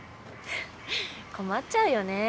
困っちゃうよね。